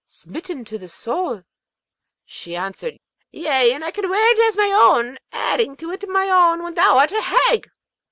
smitten to the soul. She answered, 'Yea; and I can wear it as my own, adding it to my own, when thou'rt a hag!'